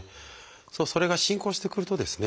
それが進行してくるとですね